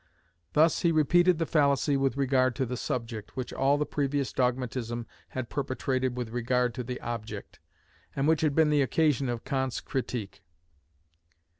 Thus he repeated the fallacy with regard to the subject, which all the previous dogmatism had perpetrated with regard to the object, and which had been the occasion of Kant's "Critique".